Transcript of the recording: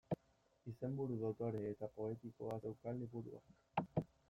Izenburu dotore eta poetikoa zeukan liburuak.